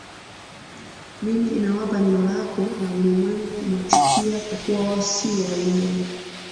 Mimi nimewapa neno lako na ulimwengu umewachukia kwa kuwa wao si wa ulimwengu